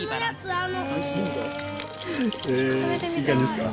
へえいい感じですか？